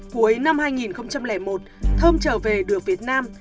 cuối năm hai nghìn một thơm trở về được việt nam